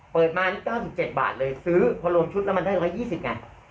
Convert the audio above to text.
เปิดมานี่๙๗บาทเลยซื้อพอรวมชุดแล้วมันได้๑๒๐ไง